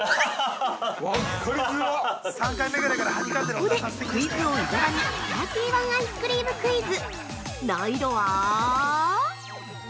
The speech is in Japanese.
◆ここでクイズ王・伊沢にサーティワンアイスクリームクイズ！